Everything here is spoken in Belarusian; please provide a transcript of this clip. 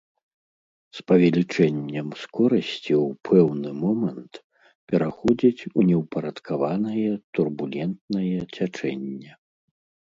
З павелічэннем скорасці ў пэўны момант пераходзіць у неўпарадкаванае турбулентнае цячэнне.